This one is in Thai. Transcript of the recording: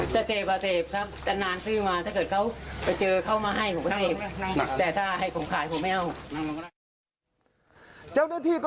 เจ้าหน้าที่ก็ดี